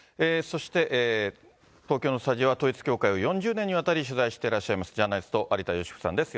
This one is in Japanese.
そして東京のスタジオは、統一教会を４０年にわたり取材してらっしゃいます、ジャーナリスト、有田芳生さんです。